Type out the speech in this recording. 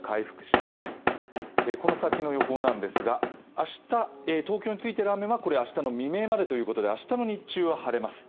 明日、東京についている雨は明日の未明までということで明日の日中は晴れます。